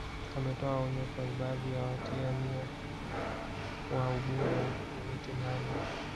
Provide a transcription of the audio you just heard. Ametoa onyo kwa baadhi ya watia nia wa ubunge wa viti maalum